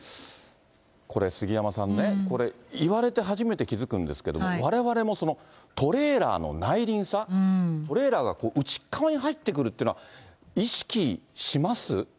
これ、杉山さんね、これ、言われて初めて気付くんですけれども、われわれもトレーラーの内輪差、トレーラーが内側に入ってくるっていうのは、意識します？